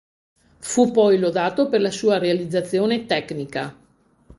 Fu poi lodato per la sua realizzazione tecnica.